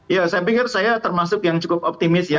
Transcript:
ya saya pikir saya termasuk yang cukup optimis ya